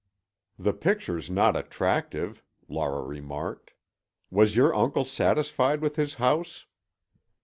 "The picture's not attractive," Laura remarked. "Was your uncle satisfied with his house?"